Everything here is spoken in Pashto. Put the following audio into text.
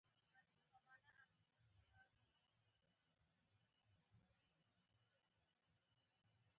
زه يې يوازې همراز شوم.